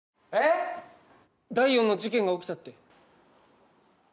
第４の事件が起きたって。